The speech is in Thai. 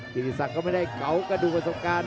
กิติศักดิ์ก็ไม่ได้เกากระดูกประสบการณ์